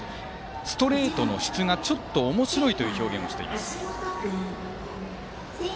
ストレートの質がちょっとおもしろいという表現をしています。